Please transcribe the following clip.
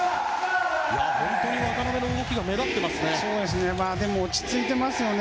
本当に渡邊の動きが目立っていますね。